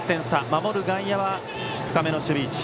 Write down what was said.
守る外野は深めの守備位置。